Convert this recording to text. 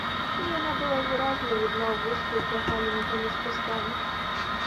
Яна была выразна відна ў вузкую прагаліну паміж кустамі.